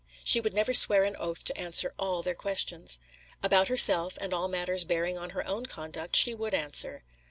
She would never swear an oath to answer all their questions. About herself, and all matters bearing on her own conduct, she would answer.